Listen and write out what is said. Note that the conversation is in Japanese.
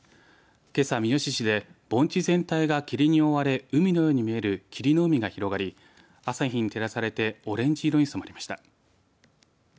けさ、三次市で盆地全体が霧に覆われ海のように見える霧の海が広がり朝日に照らされてオレンジ色に染まりました。